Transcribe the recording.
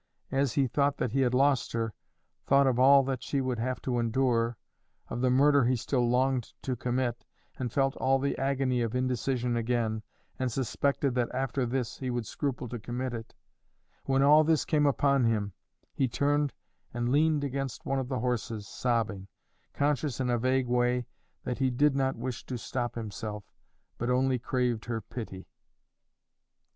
As he thought that he had lost her, thought of all that she would have to endure, of the murder he still longed to commit, and felt all the agony of indecision again, and suspected that after this he would scruple to commit it when all this came upon him, he turned and leaned against one of the horses, sobbing, conscious in a vague way that he did not wish to stop himself, but only craved her pity.